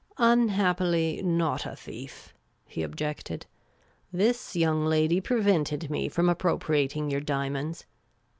" Unhappily, not a thief," he objected. •" This young lady prevented me from appropriating your diamonds.